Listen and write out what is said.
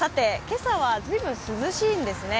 今朝は随分涼しいんですね。